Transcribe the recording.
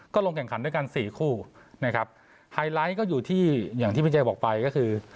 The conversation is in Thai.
ลงแข่งขันด้วยกันสี่คู่นะครับไฮไลท์ก็อยู่ที่อย่างที่พี่ใจบอกไปก็คือ